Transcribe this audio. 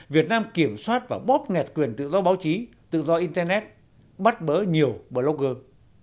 việt nam kiểm soát và bóp nghẹt quyền tự do báo chí tự do internet bắt bớ nhiều blogger